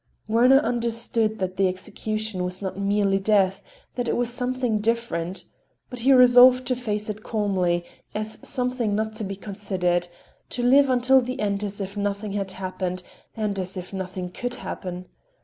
Werner understood that the execution was not merely death, that it was something different,—but he resolved to face it calmly, as something not to be considered; to live until the end as if nothing had happened and as if nothing could happen.